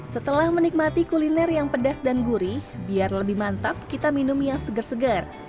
setelah menikmati kuliner yang pedas dan gurih biar lebih mantap kita minum yang seger seger